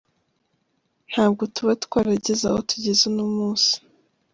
ntabwo tuba twarageze aho tugeze uno munsi.